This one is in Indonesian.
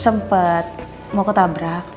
sempet mau ketabrak